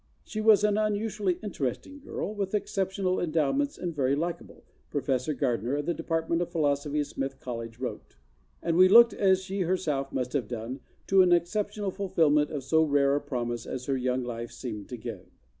"She was an unusually interesting girl, with exceptional endowments and very likable," Professor Gardiner of the Department of Philosophy of Smith College wrote, "and we looked, as she herself must have doae, to an exceptional fulfilment of so rare a promise as her young life seemed to give."